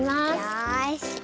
よし。